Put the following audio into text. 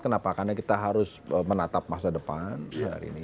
karena kita harus menatap masa depan